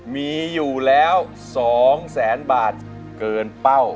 มีอยู่แล้ว๒แสนบาทเกินเป้า